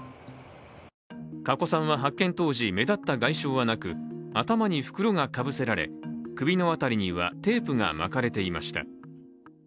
加古さんは発見当時、目立った外傷はなく頭に袋がかぶせられ首の辺りにはテープが巻かれていました。